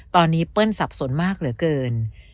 ตอนนี้เปิ้ลสับสนมากเหลือเกิน